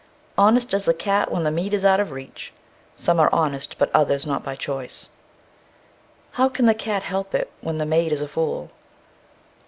Honest as the cat when the meat is out of reach. Some are honest, but others not by choice. _How can the cat help it when the maid is a fool?